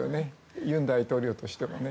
尹大統領としてもね。